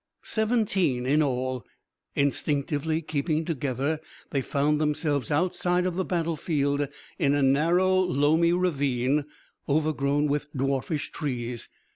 Seventeen in all, instinctively keeping together, they found themselves outside of the battle field in a narrow loamy ravine overgrown with dwarfish trees.